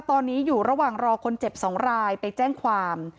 ตอนนี้อยู่ระหว่างรอคนเจ็บ๒รายไปแจ้งความ